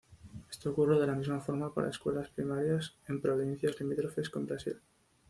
Esto ocurre de la misma forma para escuelas primarias en provincias limítrofes con Brasil.